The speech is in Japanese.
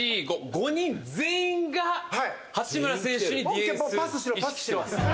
５人全員が、八村選手にディフェンス意識してます。